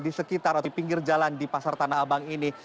di sekitar atau pinggir jalan di pasar tanah abang ini